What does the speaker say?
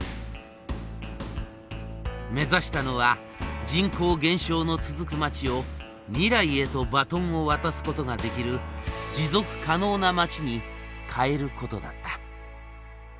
目指したのは人口減少の続く町を未来へとバトンを渡すことができる持続可能な町に変えることだった。